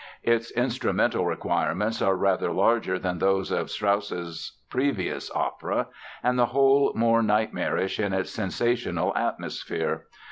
Its instrumental requirements are rather larger than those of Strauss's previous opera and the whole more nightmarish in its sensational atmosphere.